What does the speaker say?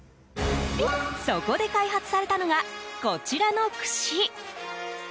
そこで開発されたのがこちらの、くし。